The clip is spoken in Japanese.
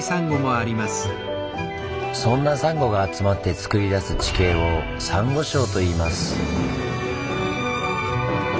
そんなサンゴが集まってつくり出す地形をサンゴ礁といいます。